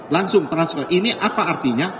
langsung transfer ini apa artinya